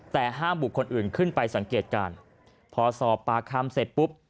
แต่ห้ามบุคคลอื่นขึ้นไปสังเกตการณ์พอสอบปากคำเสร็จปุ๊บ